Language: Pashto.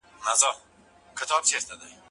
که دي زړه دیدن ته کیږي تر ګودره پوري راسه